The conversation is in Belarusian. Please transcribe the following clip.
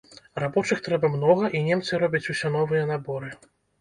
Рабочых трэба многа, і немцы робяць усё новыя наборы.